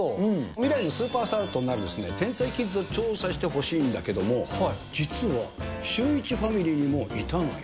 未来のスーパースターとなる天才キッズを調査してほしいんだけども、実はシューイチファミリーにもいたのよ。